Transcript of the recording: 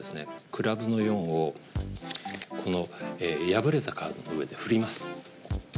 クラブの４をこの破れたカードの上で振ります。